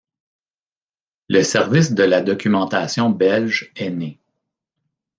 Le service de la documentation belge est né.